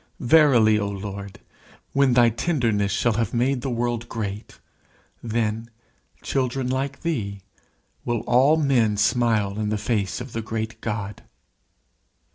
Verily, O Lord, when thy tenderness shall have made the world great, then, children like thee, will all men smile in the face of the great God.